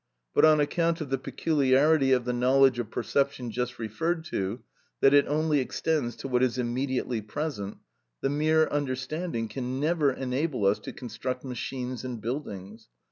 But on account of the peculiarity of the knowledge of perception just referred to, that it only extends to what is immediately present, the mere understanding can never enable us to construct machines and buildings.